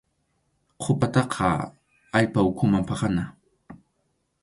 Qʼupataqa allpa ukhuman pakana.